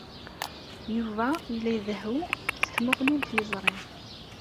Yuba yella idehhu s tmuɣli n tliẓri.